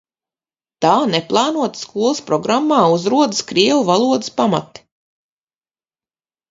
Tā neplānoti skolas programmā uzrodas krievu valodas pamati.